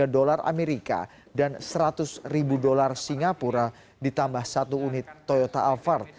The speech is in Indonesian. satu ratus delapan puluh tiga dolar amerika dan seratus ribu dolar singapura ditambah satu unit toyota alphard